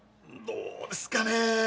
どうですかね